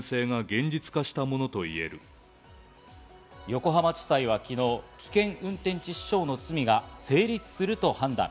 横浜地裁は昨日、危険運転致死傷の罪が成立すると判断。